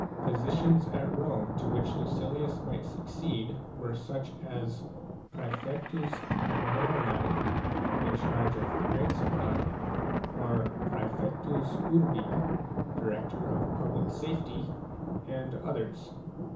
Positions at Rome to which Lucilius might succeed were such as 'praefectns annonae, in charge of the grain supply, or praefectus urbU Director of Public Safety, and others.